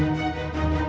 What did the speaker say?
silakan pak komar